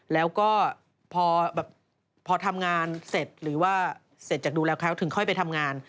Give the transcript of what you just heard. แล้วก็พอทำงานเสร็จหรือว่าเสร็จจากดูแล้วเขาถึงค่อยไปทำงาน